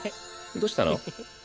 どうしたの？